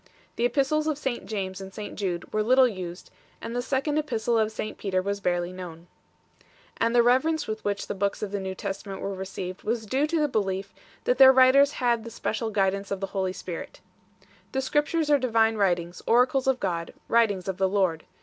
The Epistles of St James and St Jude were little used, and the Second Epistle of St Peter was barely known V And the reverence with which the books of the New Testament were received was due to the belief that their writers had the special guidance of the Holy Spirit 7 . The Scriptures are divine writings, oracles of God, writings of the Lord 8